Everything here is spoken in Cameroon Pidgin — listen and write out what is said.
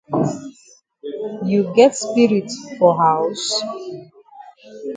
You get spirit for haus?